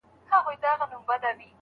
غیږي ته مي راسي مینه مینه پخوانۍ